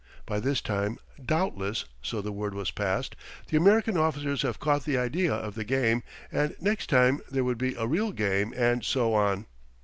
By this time, doubtless (so the word was passed), the American officers have caught the idea of the game, and next time there would be a real game and so on.